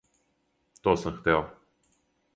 То сам хтео.